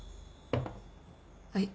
はい。